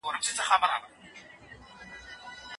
د ټولنیز محصول لوړوالی د هوساینې نښه ده.